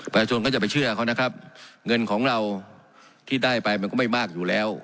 ประชาชนก็จะไปเชื่อเขานะครับเงินของเราที่ได้ไปมันก็ไม่มากอยู่แล้ว